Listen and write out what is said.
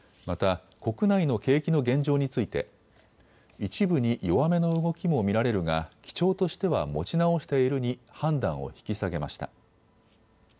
また、国内の景気の現状について一部に弱めの動きも見られるが基調としては持ち直しているに判断を引き下げました。